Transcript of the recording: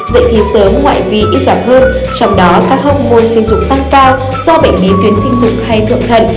dạy thi sớm ngoại vi ít gặp hơn trong đó các hormôn sinh dụng tăng cao do bệnh bí tuyến sinh dụng hay thượng thận